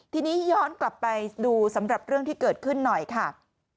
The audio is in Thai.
ทีนี้ย้อนกลับไปดูสำหรับเรื่องที่เกิดขึ้นหน่อยค่ะ